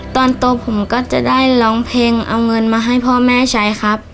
ตอนโตผมก็จะได้ร้องเพลงเอาเงินมาให้พ่อแม่ใช้ครับ